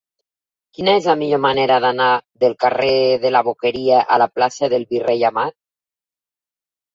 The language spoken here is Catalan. Quina és la millor manera d'anar del carrer de la Boqueria a la plaça del Virrei Amat?